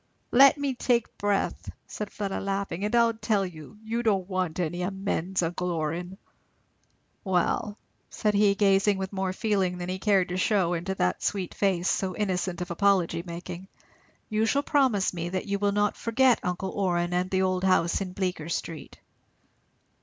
"Let me take breath," said Fleda laughing, "and I'll tell you. You don't want any amends, uncle Orrin." "Well," said he, gazing with more feeling than he cared to shew into that sweet face, so innocent of apology making, "you shall promise me that you will not forget uncle Orrin and the old house in Bleecker street."